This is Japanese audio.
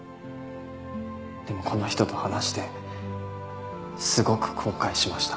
でもこの人と話してすごく後悔しました。